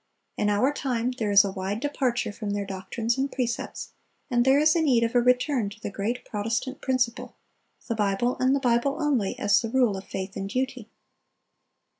In our time there is a wide departure from their doctrines and precepts, and there is need of a return to the great Protestant principle,—the Bible, and the Bible only, as the rule of faith and duty.